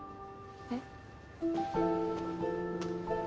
えっ？